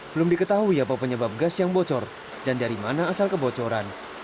belum diketahui apa penyebab gas yang bocor dan dari mana asal kebocoran